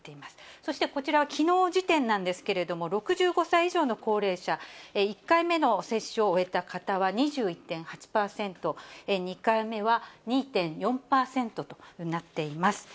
そして、こちらはきのう時点なんですけれども、６５歳以上の高齢者、１回目の接種を終えた方は２１．８％、２回目は２．４％となっています。